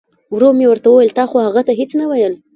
ورو مې ورته وویل تا خو هغه ته هیڅ نه ویل.